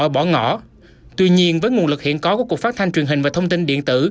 bỏ ngỏ tuy nhiên với nguồn lực hiện có của cuộc phát thanh truyền hình và thông tin điện tử